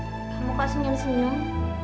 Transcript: kamu kok senyum senyum